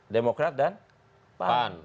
demokrat dan pan